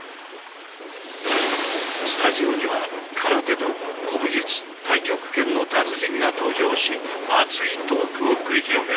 スタジオには空手道古武術太極拳の達人が登場し熱いトークを繰り広げる。